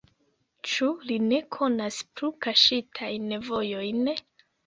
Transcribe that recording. Ĉu li ne konas plu kaŝitajn vojojn?